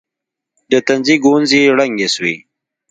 د تندي گونځې يې ړنګې سوې.